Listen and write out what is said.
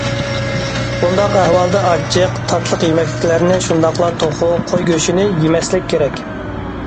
بۇنداق ئەھۋالدا ئاچچىق، تاتلىق يېمەكلىكلەرنى شۇنداقلا توخۇ، قوي گۆشىنى يېمەسلىك كېرەك.